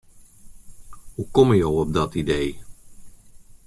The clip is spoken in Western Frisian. Hoe komme jo op dat idee?